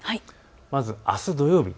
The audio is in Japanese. まずあす土曜日。